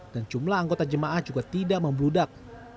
dan jumlah anggota jemaah juga tidak membludak